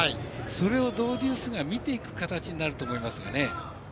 それをドウデュースが見ていく形になると思います。